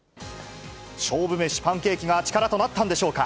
勝負飯、パンケーキが力となったんでしょうか。